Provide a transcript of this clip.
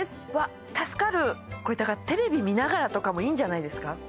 うわっ助かるこれだからテレビ見ながらとかもいいんじゃないですか